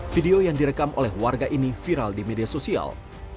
video yang direkam oleh warga ini viral di media sosial